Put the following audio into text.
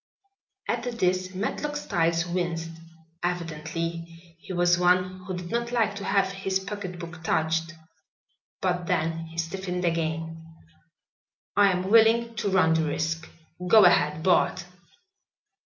At this Matlock Styles winced. Evidently he was one who did not like to have his pocketbook touched. But then he stiffened again. "I am willing to run the risk. Go ahead, Bart."